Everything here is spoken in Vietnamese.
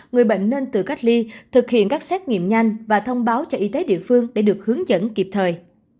người bệnh nên tự cách ly thực hiện các xét nghiệm nhanh và thông báo cho y tế địa phương để được hướng dẫn kịp thời